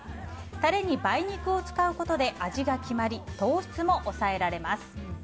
タレに梅肉を使うことで味が決まり、糖質も抑えられます。